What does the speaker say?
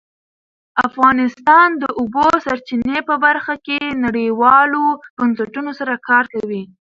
افغانستان د د اوبو سرچینې په برخه کې نړیوالو بنسټونو سره کار کوي.